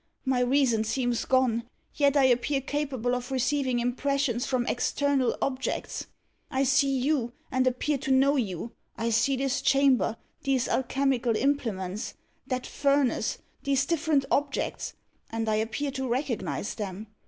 My reason seems gone, yet I appear capable of receiving impressions from external objects. I see you, and appear to know you. I see this chamber these alchemical implements that furnace these different objects and I appear to recognise them.